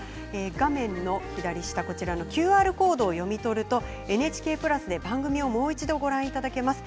画面のＱＲコードを読み取るとＮＨＫプラスで番組をもう一度ご覧いただけます。